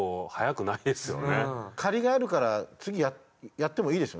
借りがあるから次やってもいいですよね？